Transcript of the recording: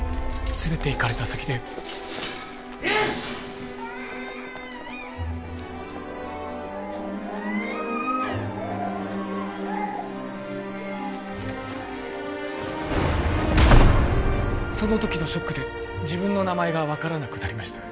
連れていかれた先でその時のショックで自分の名前が分からなくなりました